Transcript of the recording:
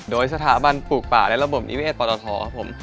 โดยสถาบันปลูกป่าและระบบนิเวศปตทครับผม